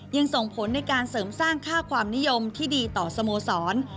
ยังส่งผลในการเสริมสร้างค่าความนิยมที่ดีต่อสโมสร